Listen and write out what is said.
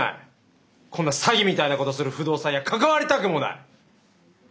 こんな詐欺みたいなことする不動産屋関わりたくもない！